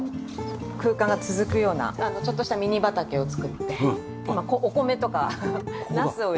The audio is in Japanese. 空間が続くようなちょっとしたミニ畑を作って今ここお米とかナスを植えてます。